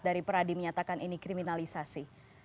dari peradi menyatakan ini kriminalisasi